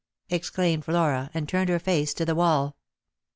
" exclaimed Flora, and turned her face to the wall.